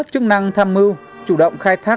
chức năng tham mưu chủ động khai thác